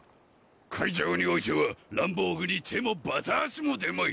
海上においてはランボーグに手もバタ足も出まい！